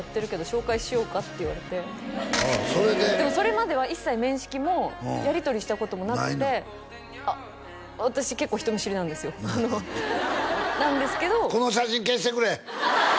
「紹介しようか？」って言われてああそれででもそれまでは一切面識もやりとりしたこともなくてあっ私結構人見知りなんですよなんですけどこの写真消してくれ！